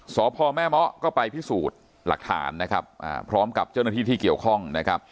สพแม่เมาะก็ไปพิสูจน์หลักฐานนะครับพร้อมกับเจ้าหน้าที่ที่เกี่ยวข้องนะครับ